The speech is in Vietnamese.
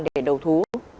để đầu thú